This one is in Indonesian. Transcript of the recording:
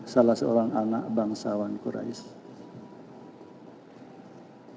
salah seorang anak bangsawan qurais